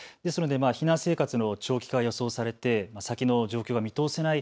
避難生活の長期化が予想されて先の状況が見通せない